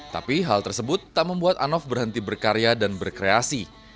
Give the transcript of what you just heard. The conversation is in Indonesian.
tapi hal tersebut tak membuat anof berhenti berkarya dan berkreasi